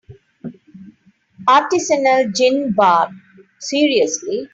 Artisanal gin bar, seriously?!